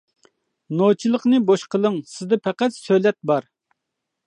نوچىلىقنى بوش قىلىڭ، سىزدە پەقەت سۆلەت بار.